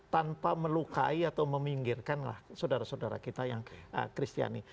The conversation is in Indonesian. tanpa melukai atau meminggirkanlah saudara saudara kita yang kristiani